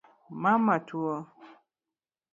Mama tuo?